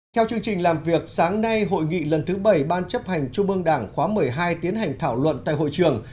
theo chương trình làm việc sáng nay hội nghị lần thứ bảy ban chấp hành trung ương đảng khóa một mươi hai tiến hành thảo luận tại hội trường